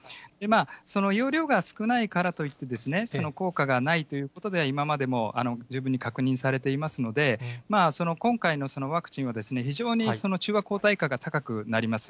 その容量が少ないからといって、効果がないということでは、今までも十分に確認されていますので、今回のワクチンは、非常に中和抗体価が高くなります。